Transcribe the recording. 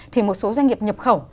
thì một số doanh nghiệp nhập khẩu